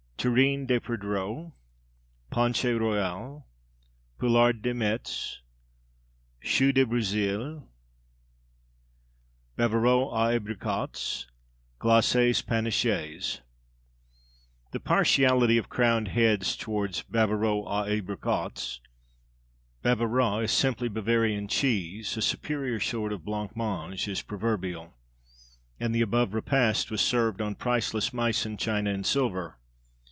Terrine de Perdreaux Ponche Royale Poularde de Metz Choux de Bruxelles Bavarois aux Abricots Glaces Panachées The partiality of crowned heads towards "Bavarois aux Abricots" "Bavarois" is simply Bavarian cheese, a superior sort of blanc mange is proverbial. And the above repast was served on priceless Meissen china and silver.